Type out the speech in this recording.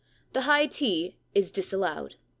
The high tea is disallowed.